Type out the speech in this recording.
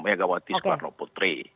ya gawati soekarno putri